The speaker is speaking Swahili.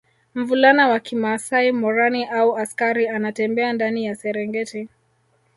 Mvulana wa kimaasai Morani au askari anatembea ndani ya Serengeti